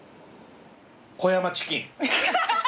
小山チキン。